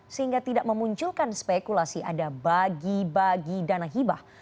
sehingga tidak memunculkan spekulasi ada bagi bagi dana hibah